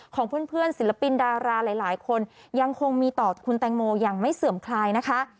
ของเพื่อนศิลปินดาราหลายคนยังคงมีต่อคุณแตงโมอย่างไม่เสื่อมคลายนะคะ